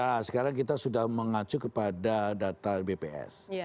nah sekarang kita sudah mengacu kepada data bps